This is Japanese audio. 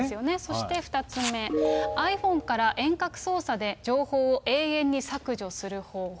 そして２つ目、ｉＰｈｏｎｅから遠隔操作で情報を永遠に削除する方法。